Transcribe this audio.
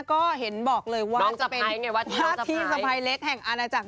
ก็เห็นบอกเลยว่าจะเป็นท่าที่สะพายเล็กแห่งอาณาจักร